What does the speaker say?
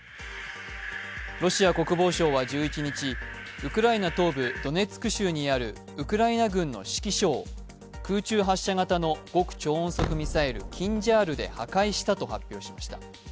ロシア国防省は１１日、ウクライナ東部ドネツク州にあるウクライナ軍の指揮所を空中発射型の極超音速ミサイルキンジャールで破壊したと発表しました。